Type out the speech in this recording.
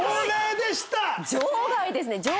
場外ですね。